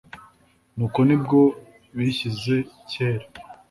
nuko ni bwo bishyize kera,